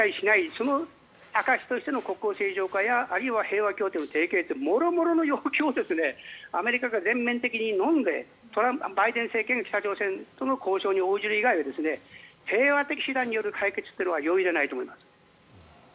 その証しとしての国交正常化やあるいは平和協定をするもろもろの要求をアメリカが全面的にのんでバイデン政権が北朝鮮との交渉に応じる以外は平和的手段による解決というのは容易ではないと思います。